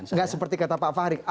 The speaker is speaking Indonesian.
tidak seperti kata pak fahri